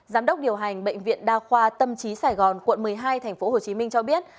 giám đốc điều hành bệnh viện đa khoa tâm trí sài gòn quận một mươi hai tp hcm cho biết